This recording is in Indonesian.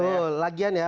betul lagian ya